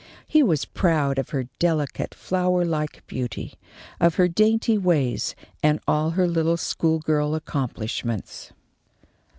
He was proud of her delicate, flower like beauty, of her dainty ways, and all her little schoolgirl accomplishments.